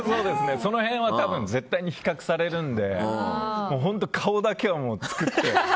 その辺は絶対に比較されるんで本当、顔だけは作って。